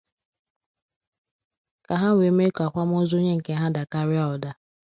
ka ha wee mee ka akwamozu onye nke ha dakarịa ụda